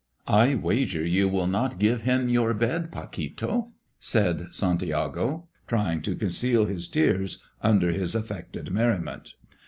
"I wager you will not give him your bed, Paquito," said Santiago, trying to conceal his tears under his affected merriment.